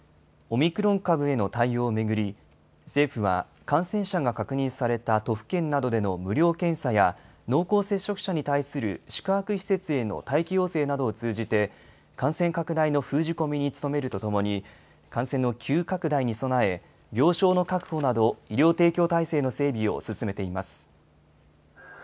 オミクロン株への対応を巡り、政府は、感染者が確認された都府県などでの無料検査や、濃厚接触者に対する宿泊施設への待機要請などを通じて、感染拡大の封じ込めに努めるとともに、感染の急拡大に備え、病床の確保など医療提供体制の整備を進めています。